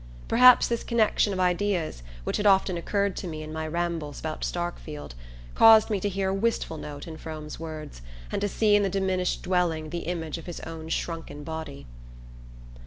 Perhaps this connection of ideas, which had often occurred to me in my rambles about Starkfield, caused me to hear a wistful note in Frome's words, and to see in the diminished dwelling the image of his own shrunken body.